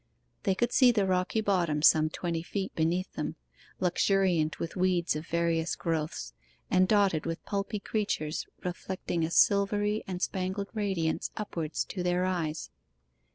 They could see the rocky bottom some twenty feet beneath them, luxuriant with weeds of various growths, and dotted with pulpy creatures reflecting a silvery and spangled radiance upwards to their eyes.